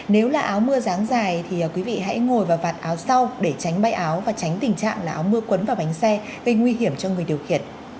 nếu là áo mưa giáng dài thì quý vị hãy ngồi vào vạt áo sau để tránh bay áo và tránh tình trạng là áo mưa quấn vào bánh xe gây nguy hiểm cho người điều khiển